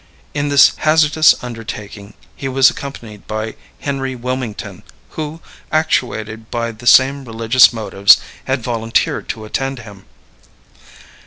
In this hazardous undertaking he was accompanied by Henry Wilmington, who, actuated by the same religious motives, had volunteered to attend him.